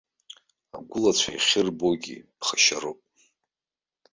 Агәылацәа иахьырбогьы иԥхашьароуп.